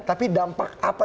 tapi dampak apa